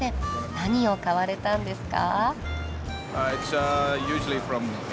何を買われたんですか？